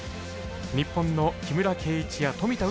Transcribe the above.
日本の木村敬一や富田